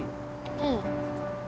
うん。